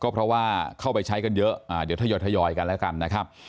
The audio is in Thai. เพราะเข้าไปใช้กันเยอะเดี๋ยวถย่อยถย่อยกันละกัน